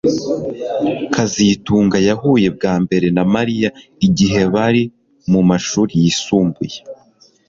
kazitunga yahuye bwa mbere na Mariya igihe bari mu mashuri yisumbuye